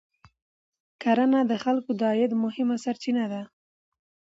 کرنه د خلکو د عاید مهمه سرچینه ده